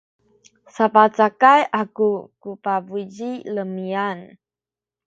sapacakay aku ku pabuy ci Imian.